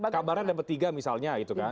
kabarnya dapat tiga misalnya gitu kan